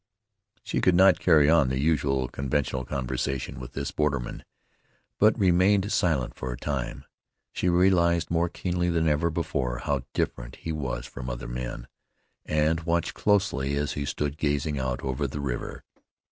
She could not carry on the usual conventional conversation with this borderman, but remained silent for a time. She realized more keenly than ever before how different he was from other men, and watched closely as he stood gazing out over the river.